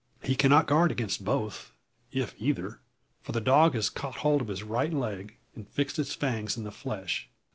He cannot guard against both, if either. For the dog has caught hold of his right leg, and fixed its fangs in the flesh.